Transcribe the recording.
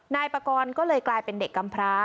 นายปากรก็เลยกลายเป็นเด็กกำพร้า